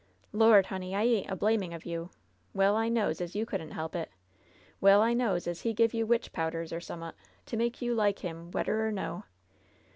"Lord, honey, I ain't a blamin' of you. Well I knows as you couldn't help it Well I knows as he give you witch powders, or summut, to make you like him whed der or no.